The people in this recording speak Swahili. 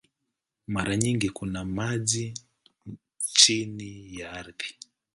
Mara nyingi kuna maji chini ya ardhi.